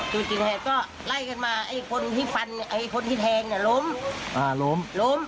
ก็ไล่กันมาไอ้คนที่แทงเนี่ยล้ม